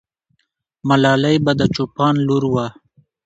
ملالۍ به د چوپان لور وه.